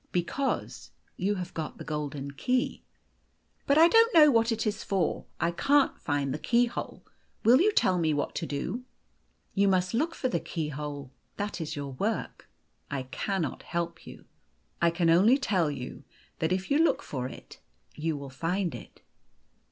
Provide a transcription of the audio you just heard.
" Because you have got the golden key." " But I don't know what it is for. I can't find the key hole. Will you tell me what to do ?" "You must look for the key hole. That is your work. I cannot help you. I can only tell you that if you look for it you will find it."